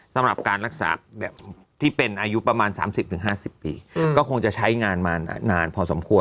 สำหรับการรักษาแบบที่เป็นอายุประมาณ๓๐๕๐ปีก็คงจะใช้งานมานานพอสมควร